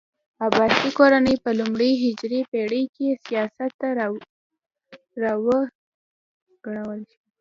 عباسي کورنۍ په لومړنۍ هجري پېړۍ کې سیاست ته راوړانګل.